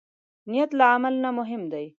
نیت له عمل نه مهم دی.